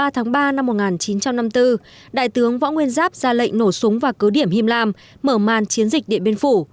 một mươi ba tháng ba năm một nghìn chín trăm năm mươi bốn đại tướng võ nguyên giáp ra lệnh nổ súng và cứ điểm hiêm lam mở màn chiến dịch địa biên phủ